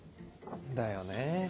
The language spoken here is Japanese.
だよね。